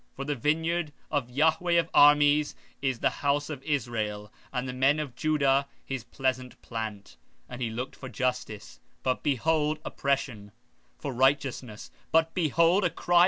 15:7 For the vineyard of the Lord of Hosts is the house of Israel, and the men of Judah his pleasant plant; and he looked for judgment, and behold, oppression; for righteousness, but behold, a cry.